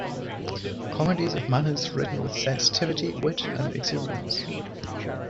Comedies of manners written with sensitivity, wit, and exuberance.